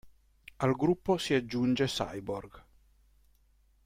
Al gruppo si aggiunge Cyborg.